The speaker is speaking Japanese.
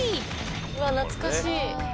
うわっ懐かしい。